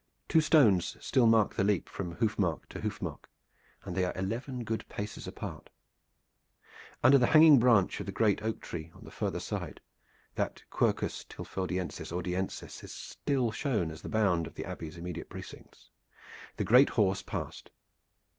Two stones still mark the leap from hoof mark to hoof mark, and they are eleven good paces apart. Under the hanging branch of the great oak tree on the farther side (that Quercus Tilfordiensis ordiensis is still shown as the bound of the Abby's immediate precincts) the great horse passed.